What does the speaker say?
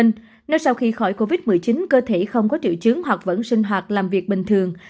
ngay sau khi khỏi covid một mươi chín cơ thể không có triệu chứng hoặc vẫn sinh hoạt làm việc bình thường